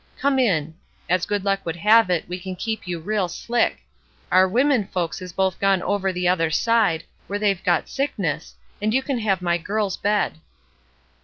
Come in; as good luck would have it we can keep you real slick. Our wimmen folks is both gone over the other side, where they've got sickness, and you can have my girl's bed."